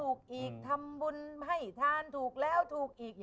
ถูกแล้วถูกอีกทำบุญให้ทานถูกแล้วถูกอีก